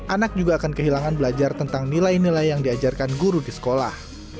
anak juga akan kehilangan belajar tentang nilai nilai yang diajarkan guru di sekolah